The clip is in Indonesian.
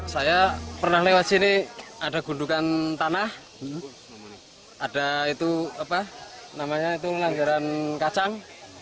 saya pernah lewat sini ada gundukan tanah ada itu apa namanya itu nganggaran kacang